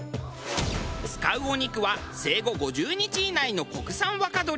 使うお肉は生後５０日以内の国産若鶏。